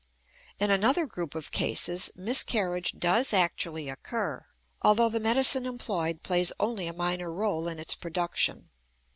In another group of cases miscarriage does actually occur, although the medicine employed plays only a minor role in its production.